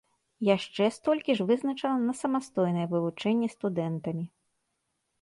Яшчэ столькі ж вызначана на самастойнае вывучэнне студэнтамі.